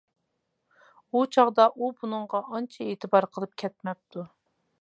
ئۇ چاغدا ئۇ بۇنىڭغا ئانچە ئېتىبار قىلىپ كەتمەپتۇ.